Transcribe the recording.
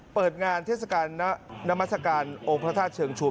เปิดงานเทศกาลนามัศกาลองค์พระธาตุเชิงชุม